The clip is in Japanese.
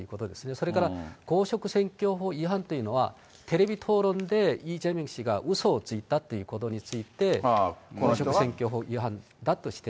それから公職選挙法違反というのは、テレビ討論でイ・ジェミョン氏がうそをついたということについて、公職選挙法違反だとして。